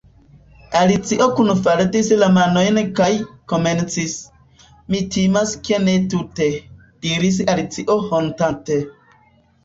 Alicio kunfaldis la manojn kaj komencis: "Mi timas ke ne tute " diris Alicio hontante.